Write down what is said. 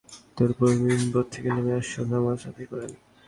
তারপর মিম্বর থেকে নেমে আসর নামায আদায় করেন।